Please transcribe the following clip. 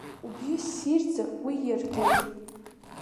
Убжьы ссирӡа уи иаргеит.